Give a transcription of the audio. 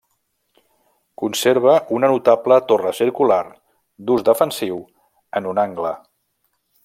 Conserva una notable torre circular, d'ús defensiu, en un angle.